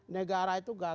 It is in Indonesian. negara itu gagal